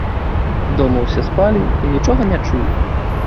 Дома ўсе спалі і нічога не чулі.